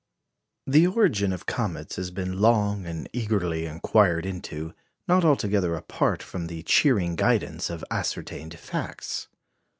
The origin of comets has been long and eagerly inquired into, not altogether apart from the cheering guidance of ascertained facts.